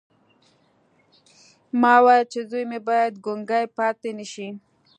ما ویل چې زوی مې باید ګونګی پاتې نه شي